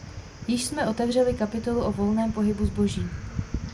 Již jsme otevřeli kapitolu o volném pohybu zboží.